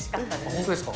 本当ですか。